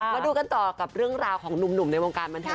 มาดูกันต่อกับเรื่องราวของหนุ่มในวงการบันเทิ